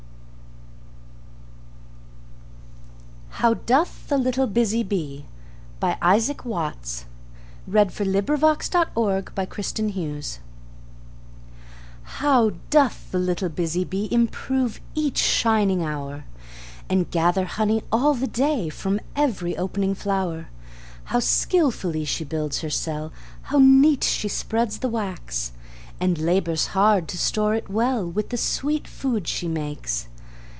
"HOW DOTH THE LITTLE BUSY BEE" How doth the little busy bee Improve each shining hour, And gather honey all the day From every opening flower! How skilfully she builds her cell! How neat she spreads the wax! And labors hard to store it well With the sweet food she makes.